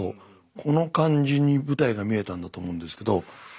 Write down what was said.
この感じに舞台が見えたんだと思うんですけど。